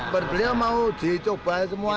beliau mau dicoba semua